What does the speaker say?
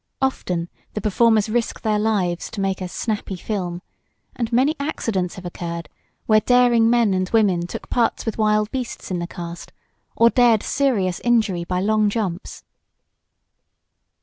Often the performers risk their lives to make a "snappy" film, and many accidents have occurred where daring men and women took parts with wild beasts in the cast, or dared serious injury by long jumps.